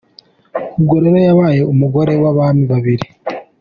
Ubwo rero yabaye umugore w'abami babiri.